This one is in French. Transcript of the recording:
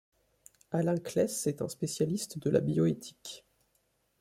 Alain Claeys est un spécialiste de la bioéthique.